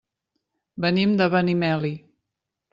Venim de Benimeli.